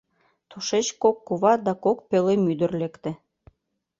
Тушеч кок кува да кок пӧлем-ӱдыр лекте.